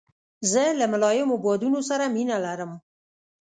زه له ملایمو بادونو سره مینه لرم.